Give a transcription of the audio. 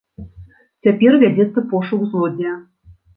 Цяпер вядзецца пошук злодзея.